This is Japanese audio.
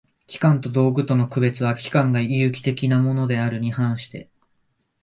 器官と道具との区別は、器官が有機的（生命的）なものであるに反して